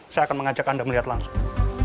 saya akan mengajak anda melihat langsung